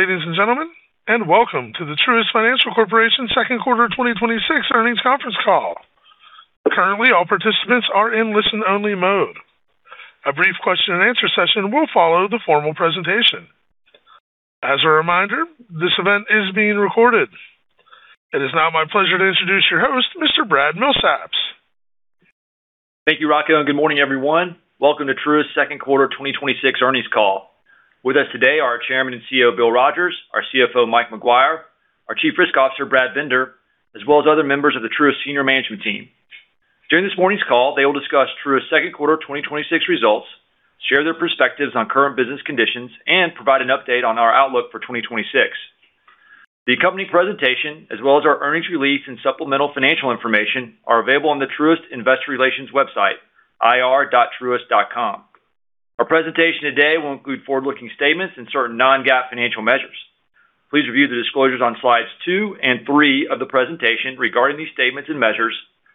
Greetings, ladies and gentlemen, and welcome to the Truist Financial Corporation Q2 2026 Earnings Conference Call. Currently, all participants are in listen-only mode. A brief question-and-answer session will follow the formal presentation. As a reminder, this event is being recorded. It is now my pleasure to introduce your host, Mr. Brad Milsaps. Thank you, Rocco. Good morning, everyone. Welcome to Truist's Q2 2026 Earnings Call. With us today are Chairman and CEO, Bill Rogers, our CFO, Mike Maguire, our Chief Risk Officer, Brad Binder, as well as other members of the Truist senior management team. During this morning's call, they will discuss Truist's Q2 2026 results, share their perspectives on current business conditions, and provide an update on our outlook for 2026. The company presentation, as well as our earnings release and supplemental financial information, are available on the Truist Investor Relations website, ir.truist.com. Our presentation today will include forward-looking statements and certain non-GAAP financial measures. Please review the disclosures on slides 2 and 3 of the presentation regarding these statements and measures,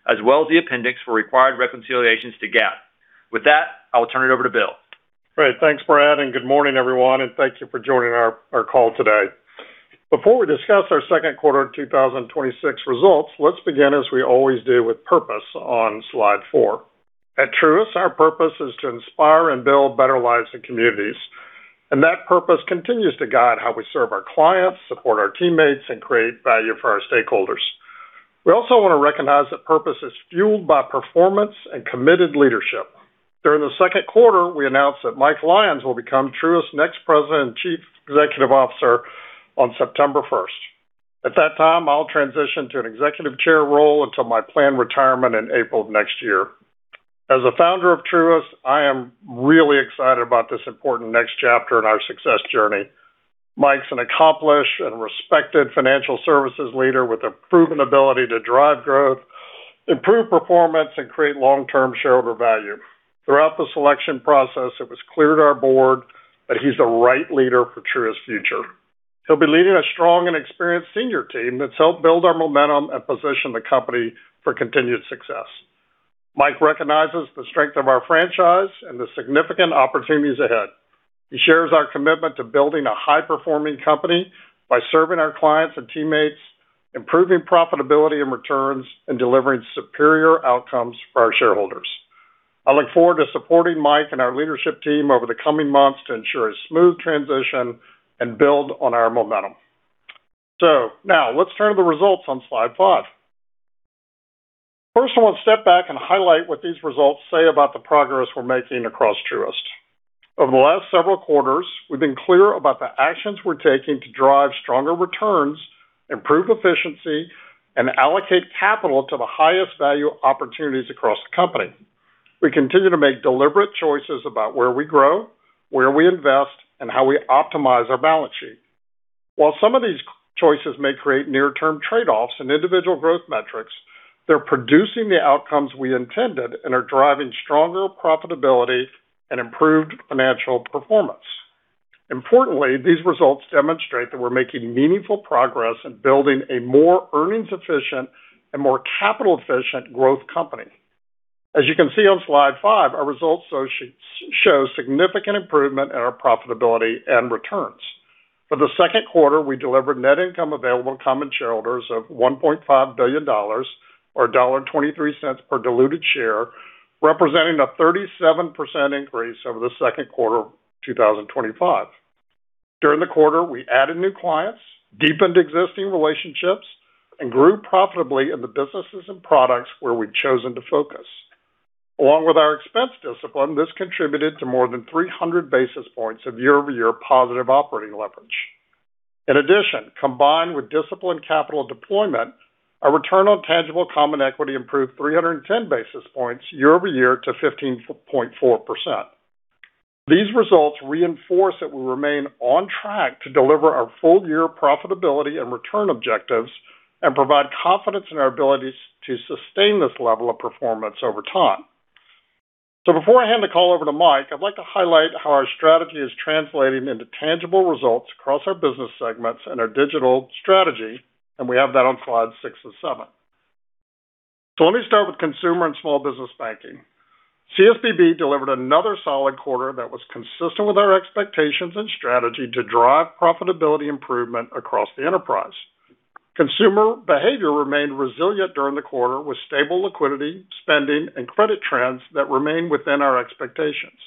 as well as the appendix for required reconciliations to GAAP. With that, I will turn it over to Bill. Great. Thanks, Brad. Good morning, everyone, and thank you for joining our call today. Before we discuss our Q2 2026 results, let's begin, as we always do, with purpose on slide 4. At Truist, our purpose is to inspire and build better lives and communities. That purpose continues to guide how we serve our clients, support our teammates, and create value for our stakeholders. We also want to recognize that purpose is fueled by performance and committed leadership. During the Q2, we announced that Mike Lyons will become Truist's next president and chief executive officer on September 1st. At that time, I'll transition to an executive chair role until my planned retirement in April of next year. As a founder of Truist, I am really excited about this important next chapter in our success journey. Mike's an accomplished and respected financial services leader with a proven ability to drive growth, improve performance, and create long-term shareholder value. Throughout the selection process, it was clear to our board that he's the right leader for Truist's future. He'll be leading a strong and experienced senior team that's helped build our momentum and position the company for continued success. Mike recognizes the strength of our franchise and the significant opportunities ahead. He shares our commitment to building a high-performing company by serving our clients and teammates, improving profitability and returns, and delivering superior outcomes for our shareholders. I look forward to supporting Mike and our leadership team over the coming months to ensure a smooth transition and build on our momentum. Now let's turn to the results on slide 5. I want to step back and highlight what these results say about the progress we're making across Truist. Over the last several quarters, we've been clear about the actions we're taking to drive stronger returns, improve efficiency, and allocate capital to the highest value opportunities across the company. We continue to make deliberate choices about where we grow, where we invest, and how we optimize our balance sheet. While some of these choices may create near-term trade-offs in individual growth metrics, they're producing the outcomes we intended and are driving stronger profitability and improved financial performance. Importantly, these results demonstrate that we're making meaningful progress in building a more earnings-efficient and more capital-efficient growth company. As you can see on slide 5, our results show significant improvement in our profitability and returns. For the Q2, we delivered net income available to common shareholders of $1.5 billion, or $1.23 per diluted share, representing a 37% increase over the Q2 of 2025. During the quarter, we added new clients, deepened existing relationships, and grew profitably in the businesses and products where we've chosen to focus. Along with our expense discipline, this contributed to more than 300 basis points of year-over-year positive operating leverage. In addition, combined with disciplined capital deployment, our return on tangible common equity improved 310 basis points year-over-year to 15.4%. These results reinforce that we remain on track to deliver our full-year profitability and return objectives and provide confidence in our ability to sustain this level of performance over time. Before I hand the call over to Mike, I'd like to highlight how our strategy is translating into tangible results across our business segments and our digital strategy, and we have that on slides 6 and 7. Let me start with consumer and small business banking. CSBB delivered another solid quarter that was consistent with our expectations and strategy to drive profitability improvement across the enterprise. Consumer behavior remained resilient during the quarter, with stable liquidity, spending, and credit trends that remain within our expectations.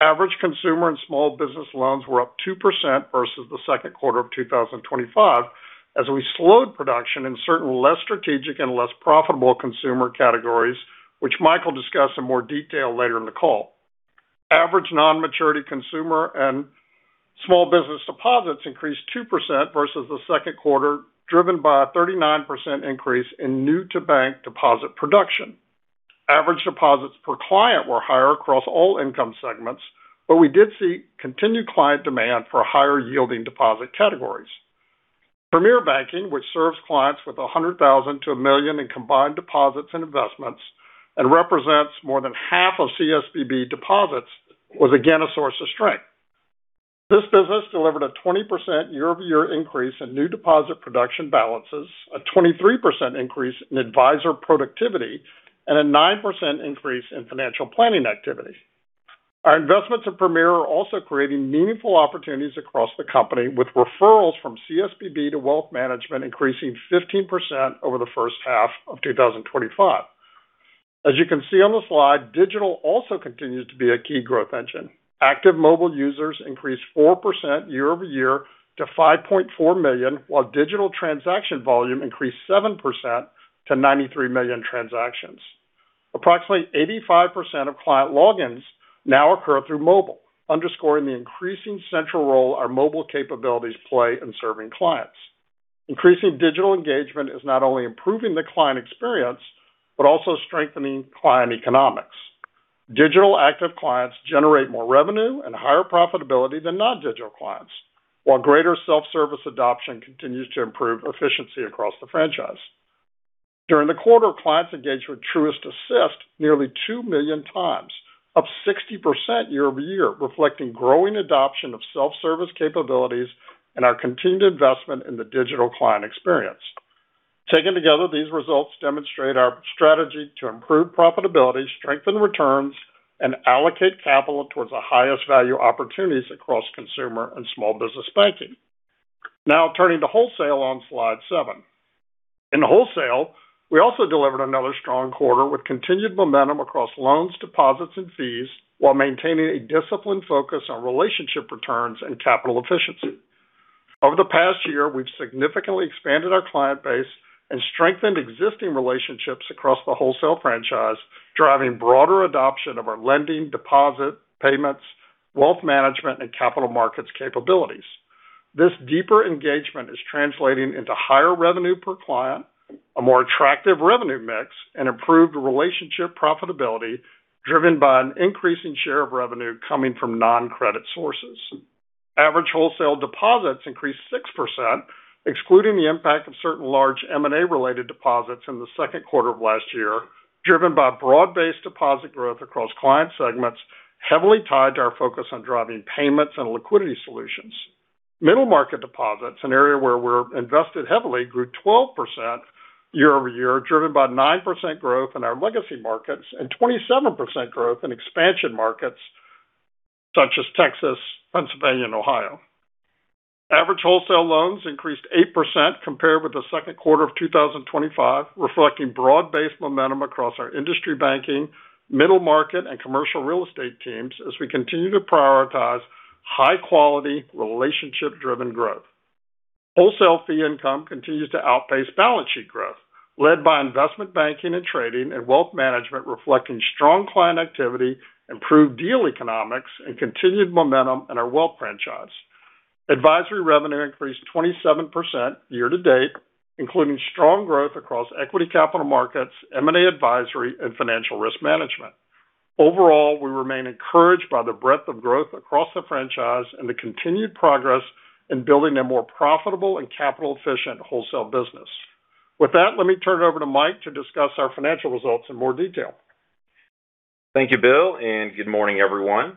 Average consumer and small business loans were up 2% versus the Q2 of 2025 as we slowed production in certain less strategic and less profitable consumer categories, which Mike will discuss in more detail later in the call. Average non-maturity consumer and small business deposits increased 2% versus the Q2, driven by a 39% increase in new to bank deposit production. Average deposits per client were higher across all income segments, we did see continued client demand for higher yielding deposit categories. Premier Banking, which serves clients with $100,000-$1 million in combined deposits and investments and represents more than half of CSBB deposits, was again a source of strength. This business delivered a 20% year-over-year increase in new deposit production balances, a 23% increase in advisor productivity. A 9% increase in financial planning activity. Our investments in Premier are also creating meaningful opportunities across the company, with referrals from CSBB to wealth management increasing 15% over the first half of 2025. As you can see on the slide, digital also continues to be a key growth engine. Active mobile users increased 4% year-over-year to 5.4 million, while digital transaction volume increased 7% to 93 million transactions. Approximately 85% of client logins now occur through mobile, underscoring the increasing central role our mobile capabilities play in serving clients. Increasing digital engagement is not only improving the client experience but also strengthening client economics. Digital active clients generate more revenue and higher profitability than non-digital clients, while greater self-service adoption continues to improve efficiency across the franchise. During the quarter, clients engaged with Truist Assist nearly 2 million times, up 60% year-over-year, reflecting growing adoption of self-service capabilities and our continued investment in the digital client experience. Taken together, these results demonstrate our strategy to improve profitability, strengthen returns, and allocate capital towards the highest value opportunities across consumer and small business banking. Turning to wholesale on slide 7. In wholesale, we also delivered another strong quarter with continued momentum across loans, deposits, and fees while maintaining a disciplined focus on relationship returns and capital efficiency. Over the past year, we've significantly expanded our client base and strengthened existing relationships across the wholesale franchise, driving broader adoption of our lending, deposit, payments, wealth management, and capital markets capabilities. This deeper engagement is translating into higher revenue per client, a more attractive revenue mix, and improved relationship profitability driven by an increase in share of revenue coming from non-credit sources. Average wholesale deposits increased 6%, excluding the impact of certain large M&A-related deposits in the Q2 of last year, driven by broad-based deposit growth across client segments heavily tied to our focus on driving payments and liquidity solutions. Middle market deposits, an area where we're invested heavily, grew 12% year-over-year, driven by 9% growth in our legacy markets and 27% growth in expansion markets, such as Texas, Pennsylvania, and Ohio. Average wholesale loans increased 8% compared with the Q2 of 2025, reflecting broad-based momentum across our industry banking, middle market, and commercial real estate teams as we continue to prioritize high-quality, relationship-driven growth. Wholesale fee income continues to outpace balance sheet growth, led by investment banking and trading and wealth management reflecting strong client activity, improved deal economics, and continued momentum in our wealth franchise. Advisory revenue increased 27% year-to-date, including strong growth across equity capital markets, M&A advisory, and financial risk management. Overall, we remain encouraged by the breadth of growth across the franchise and the continued progress in building a more profitable and capital-efficient wholesale business. With that, let me turn it over to Mike to discuss our financial results in more detail. Thank you, Bill, and good morning, everyone.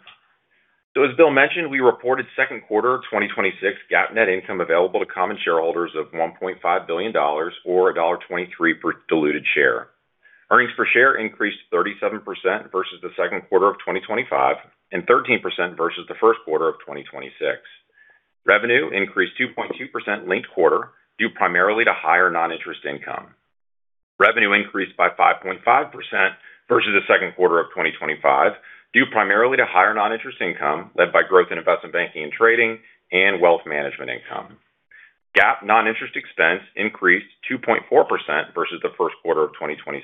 As Bill mentioned, we reported Q2 2026 GAAP net income available to common shareholders of $1.5 billion or $1.23 per diluted share. Earnings per share increased 37% versus the Q2 of 2025 and 13% versus the Q1 of 2026. Revenue increased 2.2% linked-quarter, due primarily to higher non-interest income. Revenue increased by 5.5% versus the Q2 of 2025, due primarily to higher non-interest income, led by growth in investment banking and trading and wealth management income. GAAP non-interest expense increased 2.4% versus the Q1 of 2026,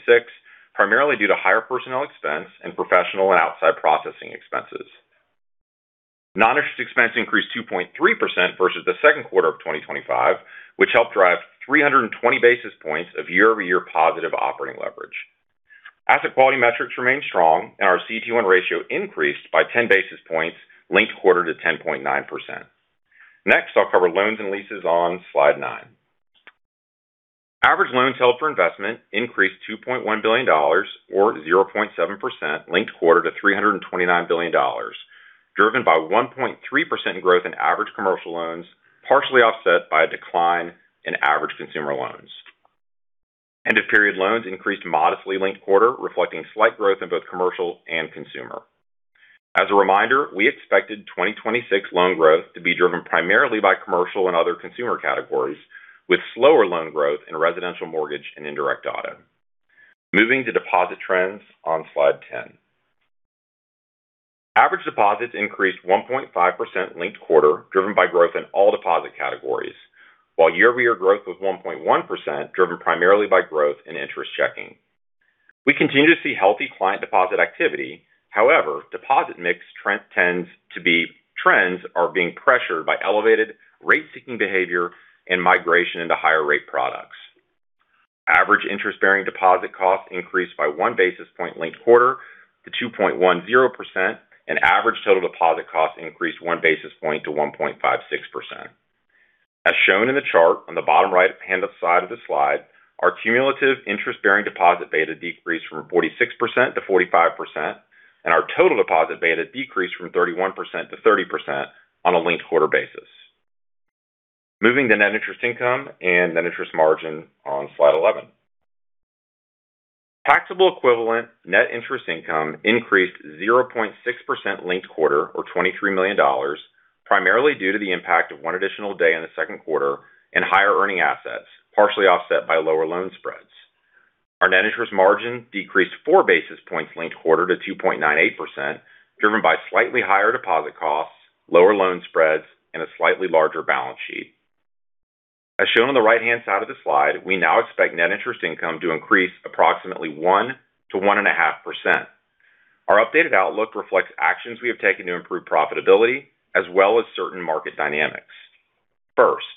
primarily due to higher personnel expense in professional and outside processing expenses. Non-interest expense increased 2.3% versus the Q2 of 2025, which helped drive 320 basis points of year-over-year positive operating leverage. Asset quality metrics remained strong. Our CET1 ratio increased by 10 basis points linked-quarter to 10.9%. Next, I'll cover loans and leases on slide 9. Average loans held for investment increased $2.1 billion, or 0.7%, linked-quarter to $329 billion, driven by 1.3% growth in average commercial loans, partially offset by a decline in average consumer loans. End-of-period loans increased modestly linked-quarter, reflecting slight growth in both commercial and consumer. As a reminder, we expected 2026 loan growth to be driven primarily by commercial and other consumer categories with slower loan growth in residential mortgage and indirect auto. Moving to deposit trends on slide 10. Average deposits increased 1.5% linked-quarter, driven by growth in all deposit categories, while year-over-year growth was 1.1%, driven primarily by growth in interest checking. We continue to see healthy client deposit activity. However, deposit mix trends are being pressured by elevated rate-seeking behavior and migration into higher rate products. Average interest-bearing deposit costs increased by 1 basis point linked-quarter to 2.10%, and average total deposit costs increased 1 basis point to 1.56%. As shown in the chart on the bottom right-hand side of the slide, our cumulative interest-bearing deposit beta decreased from 46%-45%, and our total deposit beta decreased from 31%-30% on a linked-quarter basis. Moving to net interest income and net interest margin on slide 11. Taxable equivalent net interest income increased 0.6% linked-quarter, or $23 million, primarily due to the impact of one additional day in the Q2 and higher earning assets, partially offset by lower loan spreads. Our net interest margin decreased 4 basis points linked-quarter to 2.98%, driven by slightly higher deposit costs, lower loan spreads, and a slightly larger balance sheet. As shown on the right-hand side of the slide, we now expect net interest income to increase approximately 1%-1.5%. Our updated outlook reflects actions we have taken to improve profitability as well as certain market dynamics. First,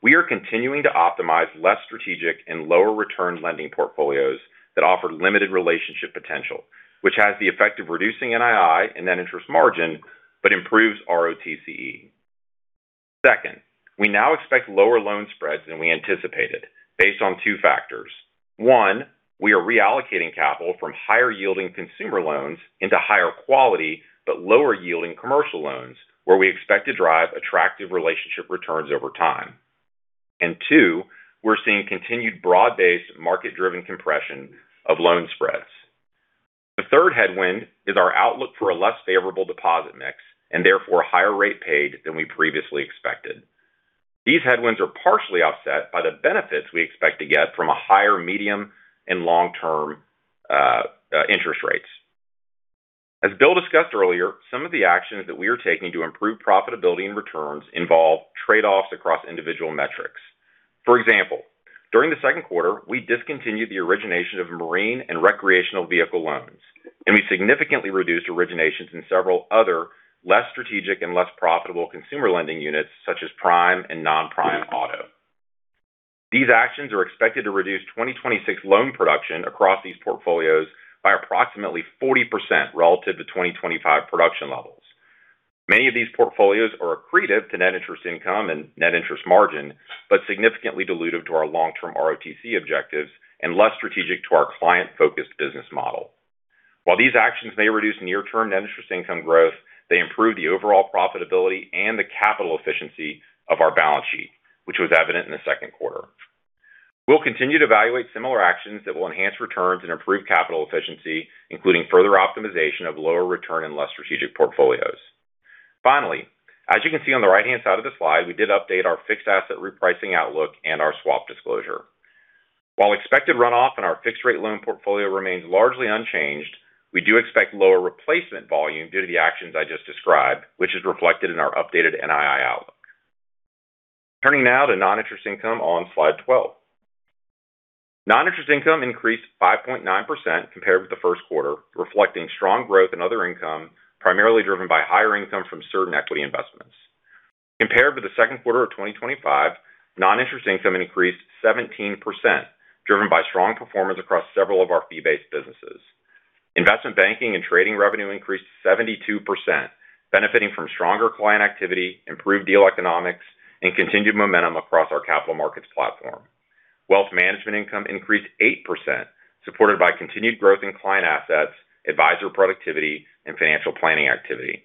we are continuing to optimize less strategic and lower return lending portfolios that offer limited relationship potential, which has the effect of reducing NII and net interest margin but improves ROTCE. Second, we now expect lower loan spreads than we anticipated based on two factors. One, we are reallocating capital from higher-yielding consumer loans into higher quality but lower yielding commercial loans where we expect to drive attractive relationship returns over time. Two, we're seeing continued broad-based market-driven compression of loan spreads. The third headwind is our outlook for a less favorable deposit mix and therefore higher rate paid than we previously expected. These headwinds are partially offset by the benefits we expect to get from higher medium and long-term interest rates. As Bill discussed earlier, some of the actions that we are taking to improve profitability and returns involve trade-offs across individual metrics. For example, during the Q2 we discontinued the origination of marine and recreational vehicle loans, and we significantly reduced originations in several other less strategic and less profitable consumer lending units such as prime and non-prime auto. These actions are expected to reduce 2026 loan production across these portfolios by approximately 40% relative to 2025 production levels. Many of these portfolios are accretive to net interest income and net interest margin, but significantly dilutive to our long-term ROTCE objectives and less strategic to our client-focused business model. While these actions may reduce near-term net interest income growth, they improve the overall profitability and the capital efficiency of our balance sheet, which was evident in the Q2. We'll continue to evaluate similar actions that will enhance returns and improve capital efficiency, including further optimization of lower return and less strategic portfolios. Finally, as you can see on the right-hand side of the slide, we did update our fixed asset repricing outlook and our swap disclosure. While expected runoff in our fixed rate loan portfolio remains largely unchanged, we do expect lower replacement volume due to the actions I just described, which is reflected in our updated NII outlook. Turning now to non-interest income on slide 12. Non-interest income increased 5.9% compared with the Q1, reflecting strong growth in other income, primarily driven by higher income from certain equity investments. Compared with the Q2 of 2025, non-interest income increased 17%, driven by strong performance across several of our fee-based businesses. Investment banking and trading revenue increased 72%, benefiting from stronger client activity, improved deal economics, and continued momentum across our capital markets platform. Wealth management income increased 8%, supported by continued growth in client assets, advisor productivity, and financial planning activity.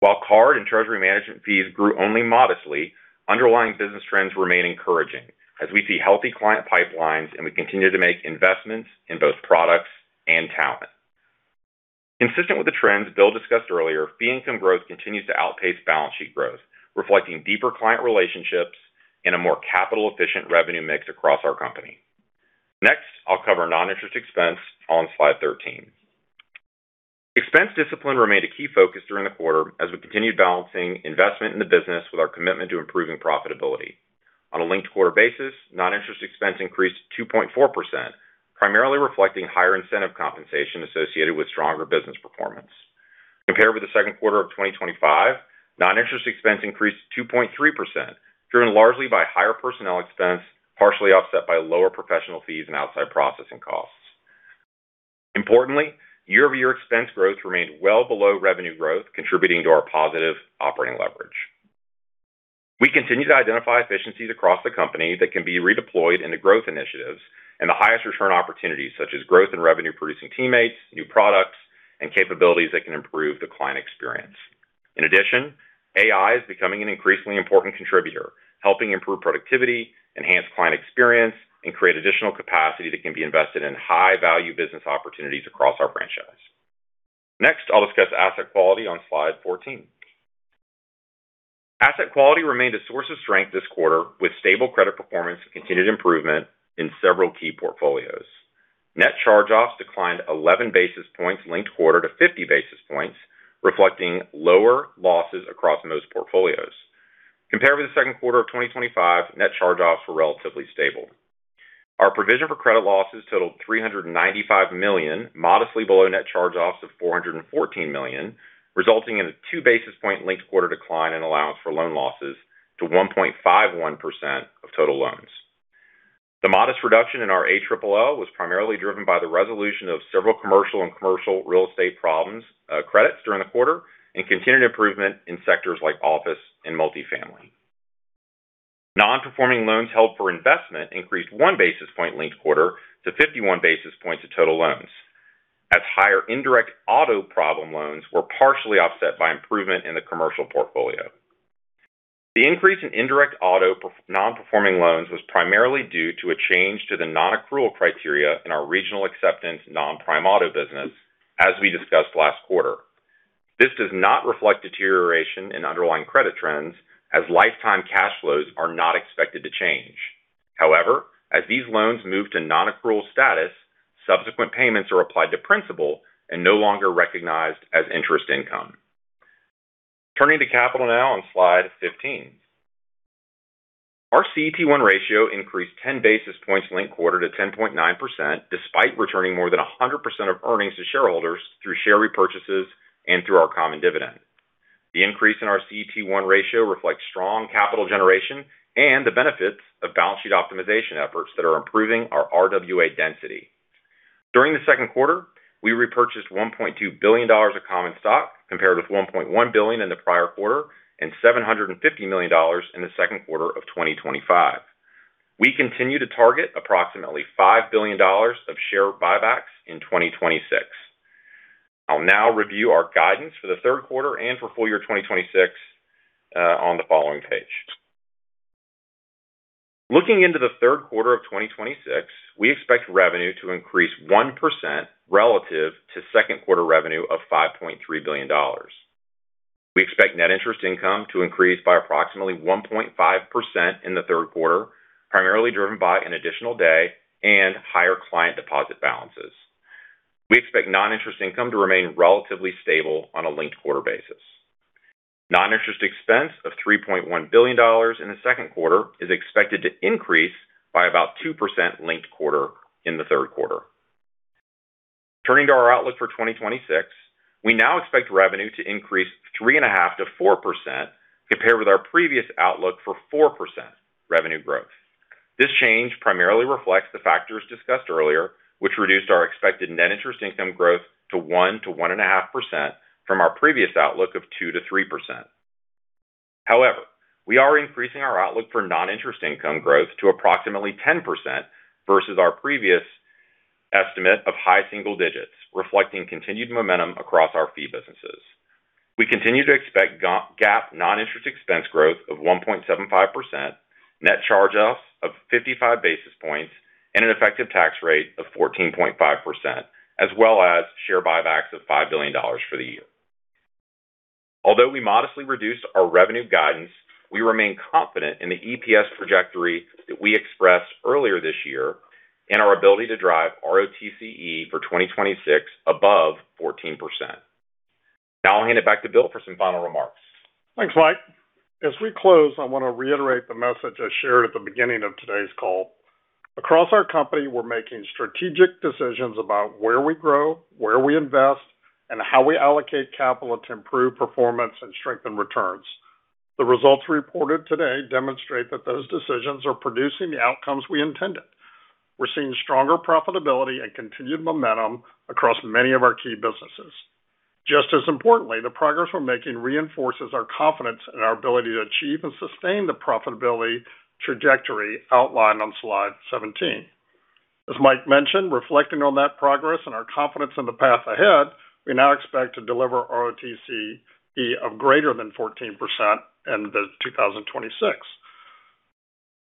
While card and treasury management fees grew only modestly, underlying business trends remain encouraging as we see healthy client pipelines and we continue to make investments in both products and talent. Consistent with the trends Bill discussed earlier, fee income growth continues to outpace balance sheet growth, reflecting deeper client relationships and a more capital-efficient revenue mix across our company. Next, I'll cover non-interest expense on slide 13. Expense discipline remained a key focus during the quarter as we continued balancing investment in the business with our commitment to improving profitability. On a linked-quarter basis, non-interest expense increased 2.4%, primarily reflecting higher incentive compensation associated with stronger business performance. Compared with the Q2 of 2025, non-interest expense increased 2.3%, driven largely by higher personnel expense, partially offset by lower professional fees and outside processing costs. Importantly, year-over-year expense growth remained well below revenue growth, contributing to our positive operating leverage. We continue to identify efficiencies across the company that can be redeployed into growth initiatives and the highest return opportunities, such as growth in revenue-producing teammates, new products, and capabilities that can improve the client experience. In addition, AI is becoming an increasingly important contributor, helping improve productivity, enhance client experience, and create additional capacity that can be invested in high-value business opportunities across our franchise. Next, I'll discuss asset quality on slide 14. Asset quality remained a source of strength this quarter, with stable credit performance and continued improvement in several key portfolios. Net charge-offs declined 11 basis points linked-quarter to 50 basis points, reflecting lower losses across most portfolios. Compared with the Q2 of 2025, net charge-offs were relatively stable. Our provision for credit losses totaled $395 million, modestly below net charge-offs of $414 million, resulting in a two basis point linked-quarter decline in allowance for loan losses to 1.51% of total loans. The modest reduction in our ALL was primarily driven by the resolution of several commercial and commercial real estate credits during the quarter and continued improvement in sectors like office and multifamily. Non-performing loans held for investment increased one basis point linked-quarter to 51 basis points of total loans. Higher indirect auto problem loans were partially offset by improvement in the commercial portfolio. The increase in indirect auto non-performing loans was primarily due to a change to the non-accrual criteria in our Regional Acceptance non-prime auto business, as we discussed last quarter. This does not reflect deterioration in underlying credit trends as lifetime cash flows are not expected to change. However, as these loans move to non-accrual status, subsequent payments are applied to principal and no longer recognized as interest income. Turning to capital now on slide 15. Our CET1 ratio increased 10 basis points linked-quarter to 10.9%, despite returning more than 100% of earnings to shareholders through share repurchases and through our common dividend. The increase in our CET1 ratio reflects strong capital generation and the benefits of balance sheet optimization efforts that are improving our RWA density. During the Q2, we repurchased $1.2 billion of common stock compared with $1.1 billion in the prior quarter and $750 million in the Q2 of 2025. We continue to target approximately $5 billion of share buybacks in 2026. I'll now review our guidance for the Q3 and for full year 2026 on the following page. Looking into the Q3 of 2026, we expect revenue to increase 1% relative to Q2 revenue of $5.3 billion. We expect net interest income to increase by approximately 1.5% in the Q3, primarily driven by an additional day and higher client deposit balances. We expect non-interest income to remain relatively stable on a linked-quarter basis. Non-interest expense of $3.1 billion in the Q2 is expected to increase by about 2% linked-quarter in the Q3. Turning to our outlook for 2026, we now expect revenue to increase 3.5%-4% compared with our previous outlook for 4% revenue growth. This change primarily reflects the factors discussed earlier, which reduced our expected net interest income growth to 1%-1.5% from our previous outlook of 2%-3%. However, we are increasing our outlook for non-interest income growth to approximately 10% versus our previous estimate of high single digits, reflecting continued momentum across our fee businesses. We continue to expect GAAP non-interest expense growth of 1.75%, net charge-offs of 55 basis points, and an effective tax rate of 14.5%, as well as share buybacks of $5 billion for the year. Although we modestly reduced our revenue guidance, we remain confident in the EPS trajectory that we expressed earlier this year and our ability to drive ROTCE for 2026 above 14%. Now I'll hand it back to Bill for some final remarks. Thanks, Mike. As we close, I want to reiterate the message I shared at the beginning of today's call. Across our company, we're making strategic decisions about where we grow, where we invest, and how we allocate capital to improve performance and strengthen returns. The results reported today demonstrate that those decisions are producing the outcomes we intended. We're seeing stronger profitability and continued momentum across many of our key businesses. Just as importantly, the progress we're making reinforces our confidence in our ability to achieve and sustain the profitability trajectory outlined on slide 17. As Mike mentioned, reflecting on that progress and our confidence in the path ahead, we now expect to deliver ROTCE of greater than 14% in 2026.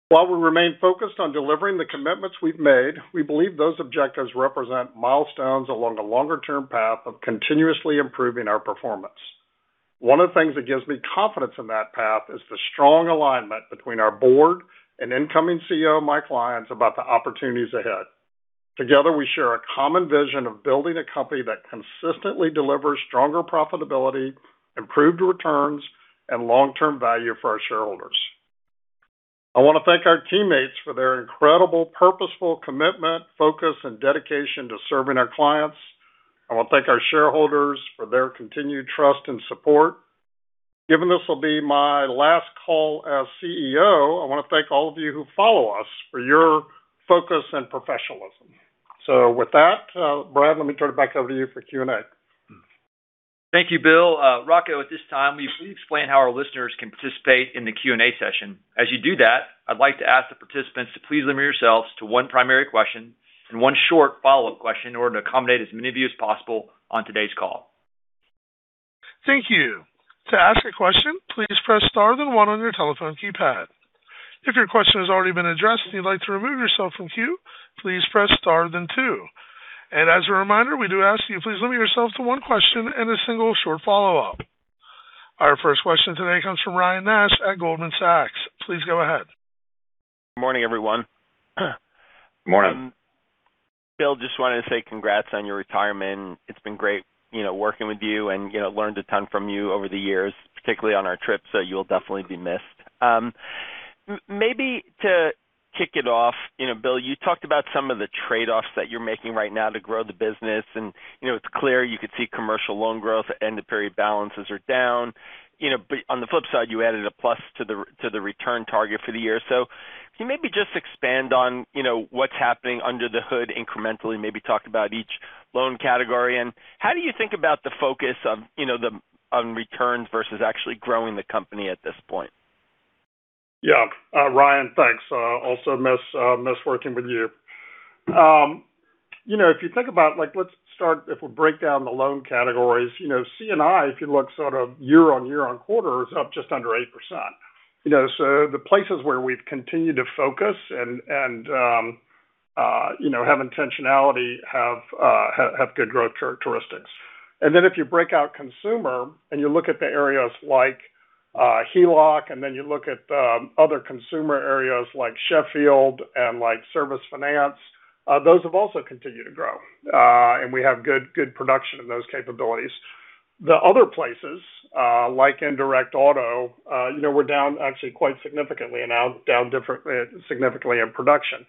While we remain focused on delivering the commitments we've made, we believe those objectives represent milestones along a longer-term path of continuously improving our performance. One of the things that gives me confidence in that path is the strong alignment between our board and incoming CEO, Mike Lyons, about the opportunities ahead. Together, we share a common vision of building a company that consistently delivers stronger profitability, improved returns, and long-term value for our shareholders. I want to thank our teammates for their incredible purposeful commitment, focus, and dedication to serving our clients. I want to thank our shareholders for their continued trust and support. Given this will be my last call as CEO, I want to thank all of you who follow us for your focus and professionalism. With that, Brad, let me turn it back over to you for Q&A. Thank you, Bill. Rocco, at this time, will you please explain how our listeners can participate in the Q&A session. As you do that, I'd like to ask the participants to please limit yourselves to one primary question and one short follow-up question in order to accommodate as many of you as possible on today's call. Thank you. To ask a question, please press *1 on your telephone keypad. If your question has already been addressed and you'd like to remove yourself from queue, please press *2. As a reminder, we do ask that you please limit yourself to one question and a single short follow-up. Our first question today comes from Ryan Nash at Goldman Sachs. Please go ahead. Morning, everyone. Morning. Bill, just wanted to say congrats on your retirement. It's been great working with you and learned a ton from you over the years, particularly on our trips, so you'll definitely be missed. Maybe to kick it off, Bill, you talked about some of the trade-offs that you're making right now to grow the business, it's clear you could see commercial loan growth, end of period balances are down. On the flip side, you added a plus to the return target for the year. Can you maybe just expand on what's happening under the hood incrementally, maybe talk about each loan category, and how do you think about the focus on returns versus actually growing the company at this point? Yeah. Ryan, thanks. Also miss working with you. If we break down the loan categories, C&I, if you look sort of year-on-year on quarter, is up just under 8%. The places where we've continued to focus and have intentionality have good growth characteristics. Then if you break out consumer and you look at the areas like HELOC, then you look at other consumer areas like Sheffield and Service Finance, those have also continued to grow. We have good production in those capabilities. The other places, like indirect auto we're down actually quite significantly, and now down significantly in production.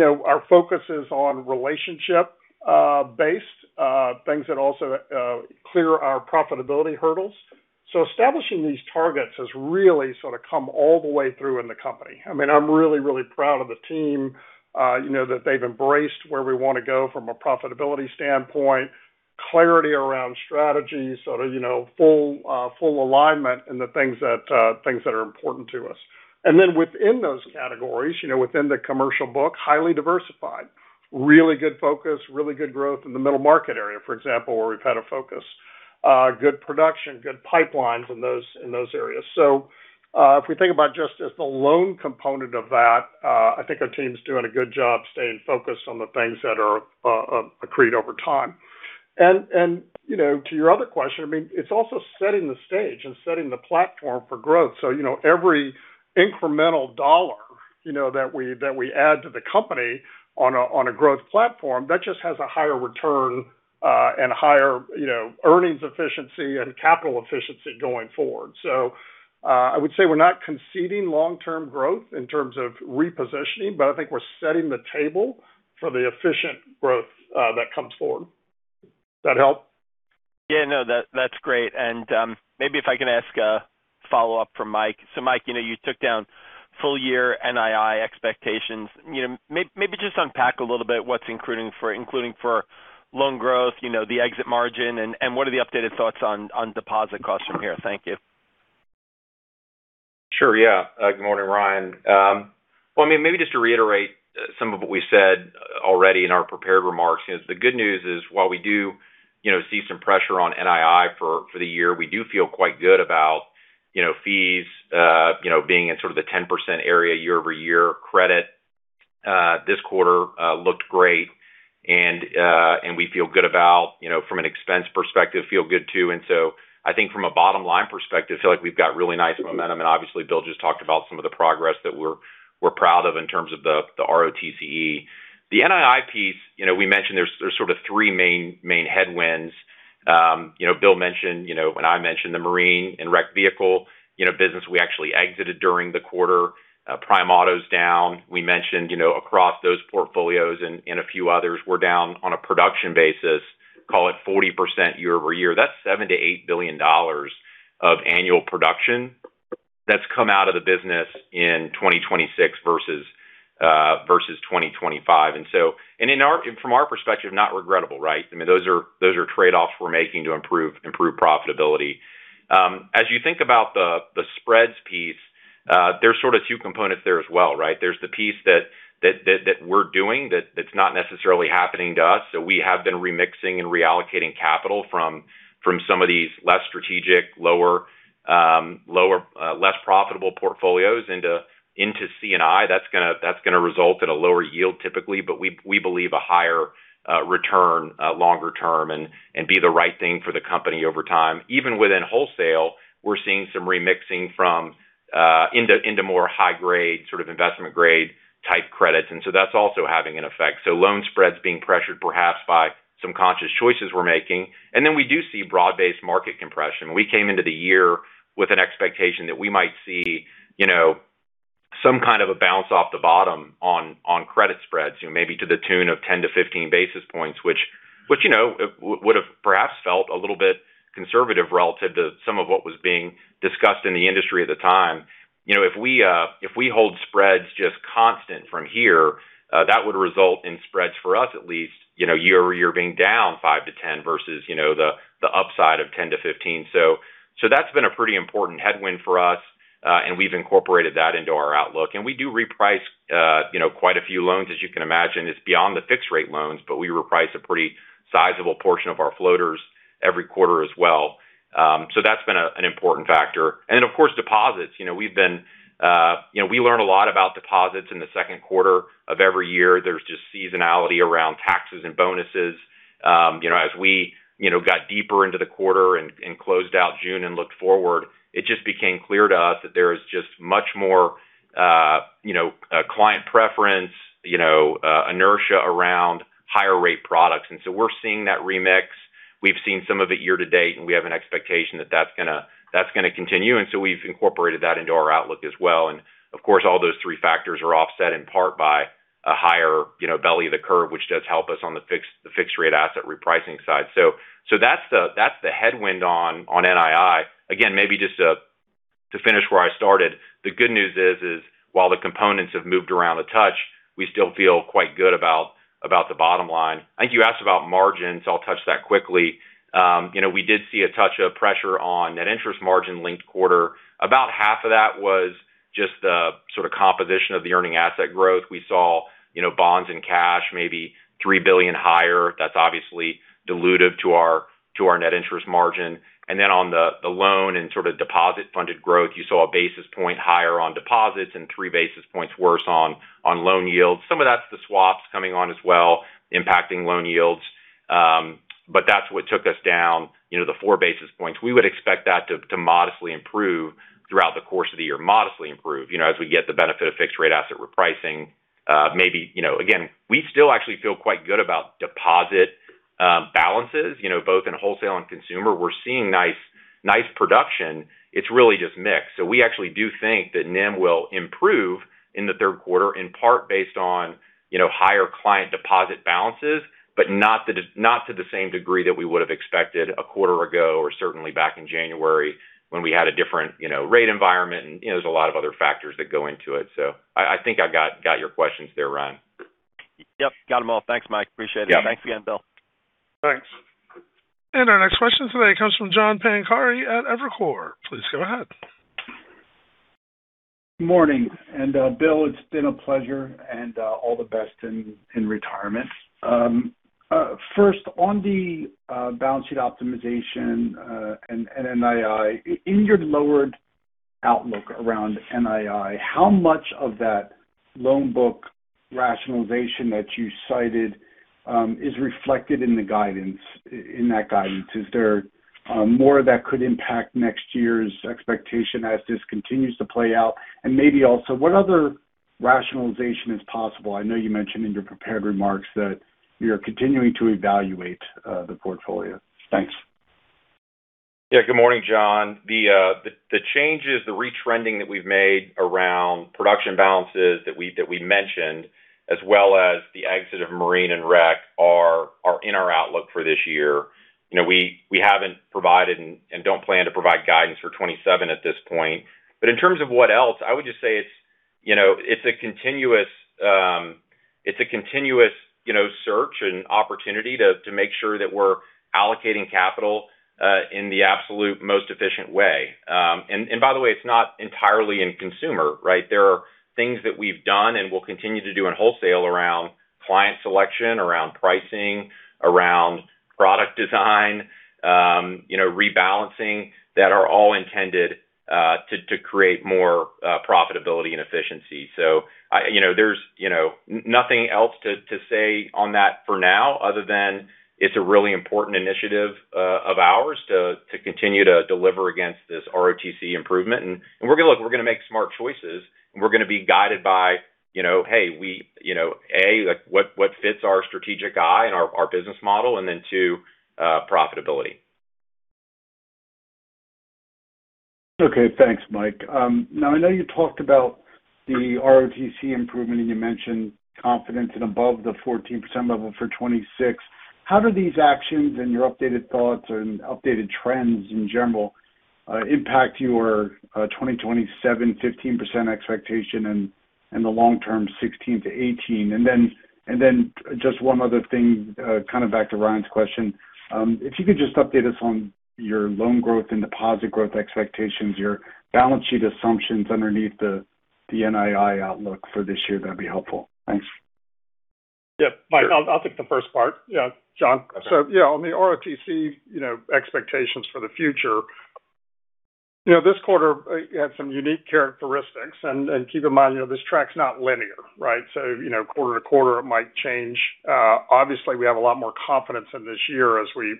Our focus is on relationship-based things that also clear our profitability hurdles. Establishing these targets has really sort of come all the way through in the company. I'm really, really proud of the team, that they've embraced where we want to go from a profitability standpoint, clarity around strategy, sort of full alignment in the things that are important to us. Within those categories, within the commercial book, highly diversified. Really good focus, really good growth in the middle market area, for example, where we've had a focus. Good production, good pipelines in those areas. If we think about just as the loan component of that, I think our team's doing a good job staying focused on the things that are accreted over time. To your other question, it's also setting the stage and setting the platform for growth. Every incremental dollar that we add to the company on a growth platform, that just has a higher return and higher earnings efficiency and capital efficiency going forward. I would say we're not conceding long-term growth in terms of repositioning, I think we're setting the table for the efficient growth that comes forward. That help? That's great. Maybe if I can ask a follow-up from Mike. Mike, you took down full year NII expectations. Maybe just unpack a little bit what's including for loan growth, the exit margin, and what are the updated thoughts on deposit costs from here? Thank you. Sure. Good morning, Ryan. Maybe just to reiterate some of what we said already in our prepared remarks. The good news is, while we do see some pressure on NII for the year, we do feel quite good about fees being in sort of the 10% area year-over-year. Credit this quarter looked great, and we feel good about from an expense perspective, feel good too. I think from a bottom-line perspective, feel like we've got really nice momentum. Obviously, Bill just talked about some of the progress that we're proud of in terms of the ROTCE. The NII piece, we mentioned there's sort of three main headwinds. Bill mentioned, I mentioned the marine and wrecked vehicle business we actually exited during the quarter. Prime autos down. We mentioned across those portfolios and in a few others, we're down on a production basis, call it 40% year-over-year. That's $7 billion-$8 billion of annual production that's come out of the business in 2026 versus 2025. From our perspective, not regrettable, right? Those are trade-offs we're making to improve profitability. As you think about the spreads piece, there's sort of two components there as well, right? There's the piece that we're doing that's not necessarily happening to us. We have been remixing and reallocating capital from some of these less strategic, less profitable portfolios into C&I. That's going to result in a lower yield typically, but we believe a higher return longer term and be the right thing for the company over time. Even within wholesale, we're seeing some remixing into more high-grade sort of investment grade type credits. That's also having an effect. Loan spreads being pressured perhaps by some conscious choices we're making. We do see broad-based market compression. We came into the year with an expectation that we might see some kind of a bounce off the bottom on credit spreads, maybe to the tune of 10-15 basis points. Which would have perhaps felt a little bit conservative relative to some of what was being discussed in the industry at the time. If we hold spreads just constant from here, that would result in spreads for us at least, year-over-year being down 5-10 basis points versus the upside of 10-15 basis points. That's been a pretty important headwind for us. We've incorporated that into our outlook. We do reprice quite a few loans, as you can imagine. It's beyond the fixed rate loans, we reprice a pretty sizable portion of our floaters every quarter as well. That's been an important factor. Then, of course, deposits. We learn a lot about deposits in the Q2 of every year. There's just seasonality around taxes and bonuses. As we got deeper into the quarter and closed out June and looked forward, it just became clear to us that there is just much more client preference, inertia around higher rate products. We're seeing that remix. We've seen some of it year-to-date, and we have an expectation that that's going to continue. We've incorporated that into our outlook as well. Of course, all those three factors are offset in part by a higher belly of the curve, which does help us on the fixed rate asset repricing side. That's the headwind on NII. Again, maybe just to finish where I started, the good news is, while the components have moved around a touch, we still feel quite good about the bottom line. I think you asked about margins. I'll touch that quickly. We did see a touch of pressure on net interest margin linked-quarter. About half of that was just the composition of the earning asset growth. We saw bonds and cash maybe $3 billion higher. That's obviously dilutive to our net interest margin. Then on the loan and deposit-funded growth, you saw a basis point higher on deposits and three basis points worse on loan yields. Some of that's the swaps coming on as well, impacting loan yields. That's what took us down the four basis points. We would expect that to modestly improve throughout the course of the year. Modestly improve. As we get the benefit of fixed rate asset repricing. We still actually feel quite good about deposit balances both in wholesale and consumer. We're seeing nice production. It's really just mix. We actually do think that NIM will improve in the Q3, in part based on higher client deposit balances, but not to the same degree that we would have expected a quarter ago, or certainly back in January when we had a different rate environment. There's a lot of other factors that go into it. I think I got your questions there, Ryan. Yep, got them all. Thanks, Mike. Appreciate it. Yeah. Thanks again, Bill. Thanks. Our next question today comes from John Pancari at Evercore. Please go ahead. Morning. Bill, it's been a pleasure, and all the best in retirement. First, on the balance sheet optimization and NII. In your lowered outlook around NII, how much of that loan book rationalization that you cited is reflected in that guidance? Is there more that could impact next year's expectation as this continues to play out? Maybe also, what other rationalization is possible? I know you mentioned in your prepared remarks that you're continuing to evaluate the portfolio. Thanks. Yeah. Good morning, John. The changes, the retrending that we've made around production balances that we mentioned, as well as the exit of Marine and Recreation are in our outlook for this year. We haven't provided and don't plan to provide guidance for 2027 at this point. In terms of what else, I would just say it's a continuous search and opportunity to make sure that we're allocating capital in the absolute most efficient way. By the way, it's not entirely in consumer, right? There are things that we've done and will continue to do in wholesale around client selection, around pricing, around product design, rebalancing, that are all intended to create more profitability and efficiency. There's nothing else to say on that for now other than it's a really important initiative of ours to continue to deliver against this ROTCE improvement. We're going to make smart choices, and we're going to be guided by A, what fits our strategic eye and our business model, and then 2, profitability. Okay, thanks, Mike. Now I know you talked about the ROTCE improvement, and you mentioned confidence and above the 14% level for 2026. How do these actions and your updated thoughts and updated trends in general impact your 2027 15% expectation and the long-term 16%-18%? Just one other thing, kind of back to Ryan's question. If you could just update us on your loan growth and deposit growth expectations, your balance sheet assumptions underneath the NII outlook for this year, that'd be helpful. Thanks. Yeah. Mike, I'll take the first part, John. On the ROTCE expectations for the future. This quarter had some unique characteristics. Keep in mind, this track's not linear. Right? Quarter-to-quarter, it might change. Obviously, we have a lot more confidence in this year as we